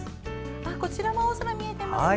こちらも青空が見えていますね。